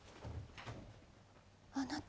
あなた。